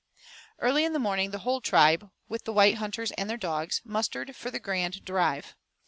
Early in the morning the whole tribe, with the white hunters and their dogs, mustered for the grand drive.